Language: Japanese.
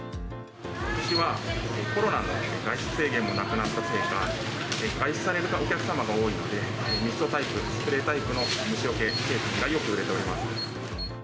ことしはコロナの外出制限もなくなったせいか、外出されるお客様が多いので、ミストタイプ、スプレータイプの虫よけ製品がよく売れております。